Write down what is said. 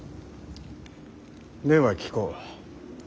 では聞こう。